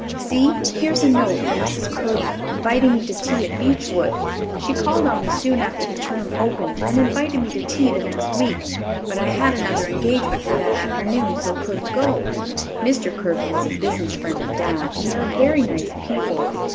"See, here's a note from Mrs. Kirby inviting me to tea at Beechwood. She called on me soon after the term opened and invited me to tea the next week. But I had another engagement for that afternoon, so couldn't go. Mr. Kirby is a business friend of Dad's, and they are very nice people.